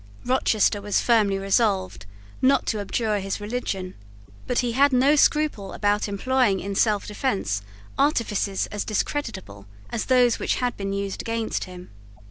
Rochester was firmly resolved not to abjure his religion; but he had no scruple about employing in selfdefence artifices as discreditable as those which had been used against him.